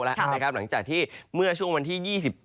หลังจากที่เมื่อช่วงวันที่๒๗